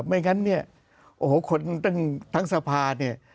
ไม่งั้นคนทางสภาเนี่ย